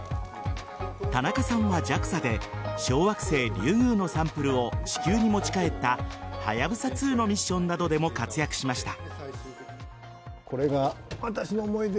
田中さんはＪＡＸＡで小惑星・リュウグウのサンプルを地球に持ち帰った「はやぶさ２」のミッションなどでも活躍しました。